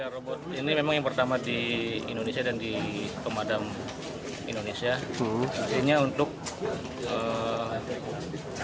robot ini memang yang pertama di indonesia dan di pemadam indonesia ini untuk